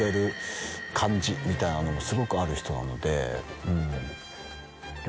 みたいなのもすごくある人なので。